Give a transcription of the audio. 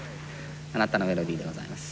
「あなたのメロディー」でございます。